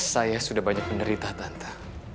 saya sudah banyak menderita tanta